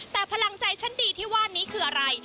แต่พลังใจชั้นดีที่ว่านี้คืออะไร